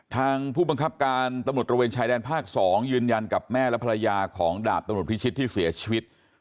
ทางผู้บังคับการตำรวจตระเวนชายแดนภาค๒ยืนยันกับแม่และภรรยาของดาบตำรวจพิชิตที่เสียชีวิต